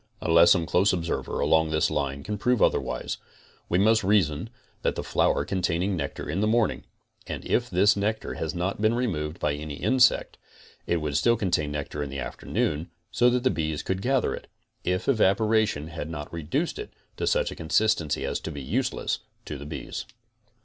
Unless some close observer along this line can prove other wise, we must reason that the flower containing nectar in the morning, and if this nectar has not been removed by any insect, would still contain nectar in the afternoon, so that the bees could gather it, if evaporation had not reduced it to such consistancy as to be useless to the bees.